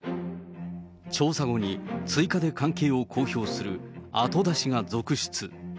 調査後に追加で関係を公表する後出しが続出。